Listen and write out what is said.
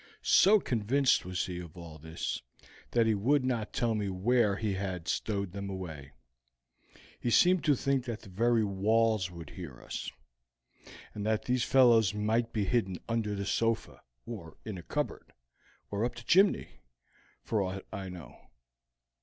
"So convinced was he of all this, that he would not tell me where he had stowed them away; he seemed to think that the very walls would hear us, and that these fellows might be hidden under the sofa, in a cupboard, or up the chimney, for aught I know.